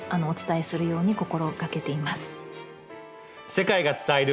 世界が伝える。